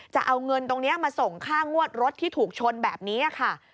จะเอาเงินตรงนี้มาส่งค่างวดรถที่ถูกชนแบบนี้ค่ะ